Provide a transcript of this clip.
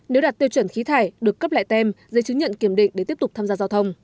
nếu đạt tiêu chuẩn khí thải được cấp lại tem giấy chứng nhận kiểm định để tiếp tục tham gia giao thông